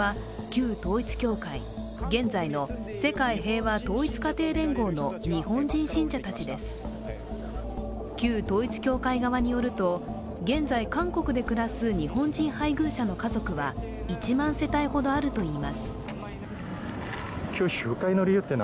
旧統一教会側によると、現在韓国で暮らす日本人配偶者の家族は１万世帯ほどあるといいます。